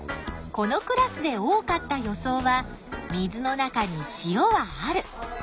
このクラスで多かった予想は水の中に塩はある。